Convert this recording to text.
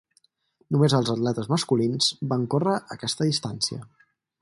Només els atletes masculins van córrer aquesta distància.